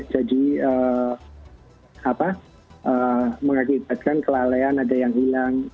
jadi mengakibatkan kelalaian ada yang hilang